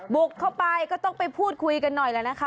บุกเข้าไปก็ต้องไปพูดคุยกันหน่อยแล้วนะคะ